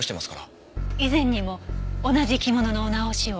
以前にも同じ着物のお直しを？